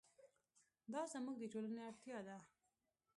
دا زموږ د ټولنې اړتیا ده.